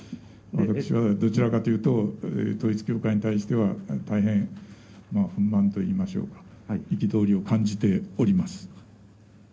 私はどちらかというと、統一教会に対しては、大変不満といいましょうか、憤りを感じております。